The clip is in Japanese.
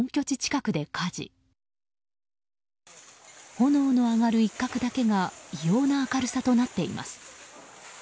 炎の上がる一角だけが異様な明るさとなっています。